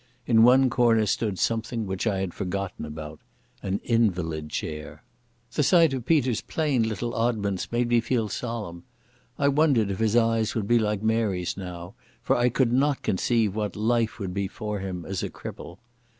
In one corner stood something which I had forgotten about—an invalid chair. The sight of Peter's plain little oddments made me feel solemn. I wondered if his eyes would be like Mary's now, for I could not conceive what life would be for him as a cripple.